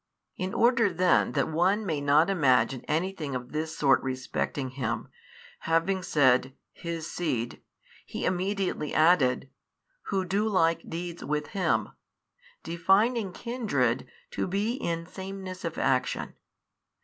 In order then that one may not imagine anything of this sort respecting him, having said, his seed, He immediately added, Who do like deeds with him, defining kindred to be in sameness of action.